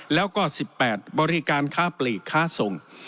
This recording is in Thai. แล้วก็๑๘บริการค้าปลีกค้าส่ง